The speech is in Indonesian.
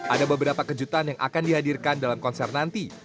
ada beberapa kejutan yang akan dihadirkan dalam konser nanti